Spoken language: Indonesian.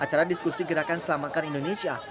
acara diskusi gerakan selamatkan indonesia